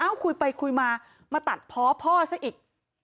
คุยไปคุยมามาตัดเพาะพ่อซะอีก